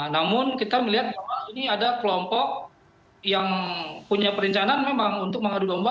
namun kita melihat bahwa ini ada kelompok yang punya perencanaan memang untuk mengadu domba